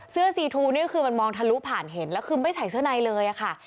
เสื้อซีทูนี่คือมันมองทะลุผ่านเห็นแล้วคือไม่ใส่เสื้อในเลยค่ะ